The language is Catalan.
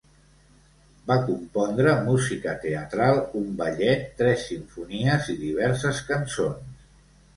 Va compondre música teatral, un ballet, tres simfonies i diverses cançons.